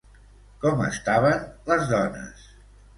Com estaven les dones?